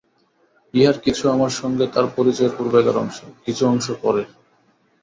ইহার কিছু আমার সঙ্গে তার পরিচয়ের পূর্বেকার অংশ, কিছু অংশ পরের।